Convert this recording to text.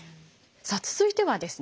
さあ続いてはですね